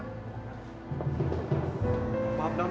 ini bukan urusan kamu